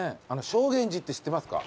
正眼寺って知ってますか？